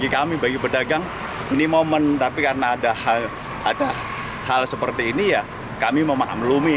kalau ada hal seperti ini ya kami memaklumi